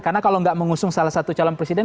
karena kalau gak mengusung salah satu calon presiden